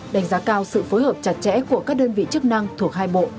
đánh giá cao sự phối hợp chặt chẽ của các đơn vị chức năng thuộc hai bộ